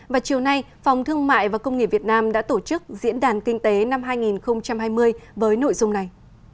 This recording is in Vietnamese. và chiều nay phòng thương mại và công nghiệp việt nam đã tổ chức diễn đàn kinh tế năm hai nghìn hai mươi với nội dung này